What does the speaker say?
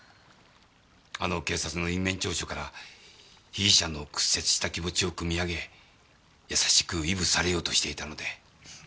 あの警察の員面調書から被疑者の屈折した気持ちをくみ上げ優しく慰撫されようとしていたので。